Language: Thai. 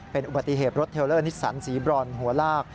เป็นอุบัติเหตุรถเทลเลอร์นิสสันสีบรอนหัวลาก